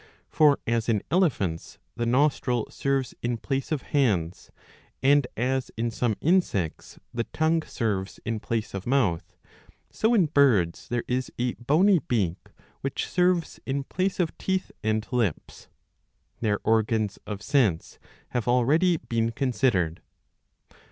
For as in* elephants * the nostril serves in place of hands, and as in some insects ^ the tongue serves in place of mouth, so in birds there is a bony^ beak which serves in place of teeth and lips. Their organs of sense have already been considered.